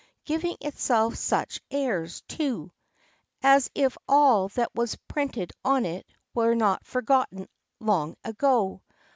Giving itself such airs, too! as if all that was printed on it was not forgotten long ago.